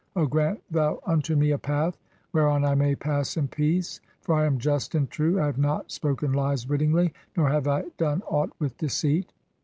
(10) O grant thou unto me a path where 'on I mav pass in peace, for I am just and true ; I have not 'spoken lies wittinglv, nor have I done aught with deceit."